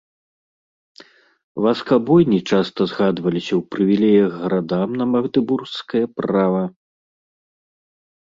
Васкабойні часта згадваліся ў прывілеях гарадам на магдэбургскае права.